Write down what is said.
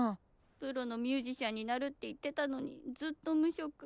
プロのミュージシャンになるって言ってたのにずっと無職。